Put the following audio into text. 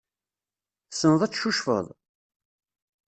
Tessneḍ ad tcucfeḍ?